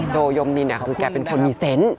โจยมดินเค้าเป็นคนมีเซ้น